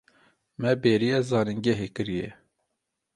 Me bêriya zanîngehê kiriye.